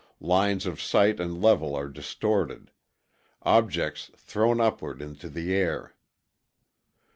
Lines of sight and level are distorted. Objects thrown upward into the air.